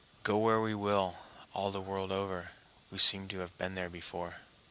Go where we will, all the world over, we seem to have been there before.